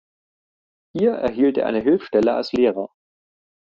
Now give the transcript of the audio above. Hier erhielt er eine Hilfsstelle als Lehrer.